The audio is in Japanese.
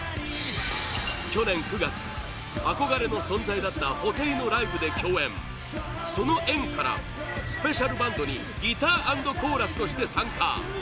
去年９月、憧れの存在だった布袋のライブで共演その縁からスペシャルバンドにギター＆コーラスとして参加